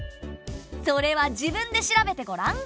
それは自分で調べてごらん。